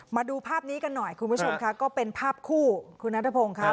มาดูภาพนี้กันหน่อยคุณผู้ชมค่ะก็เป็นภาพคู่คุณนัทพงศ์ครับ